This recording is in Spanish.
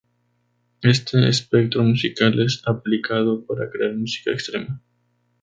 Este espectro musical es aplicado para crear música extrema.